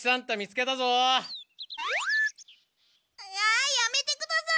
あやめてください。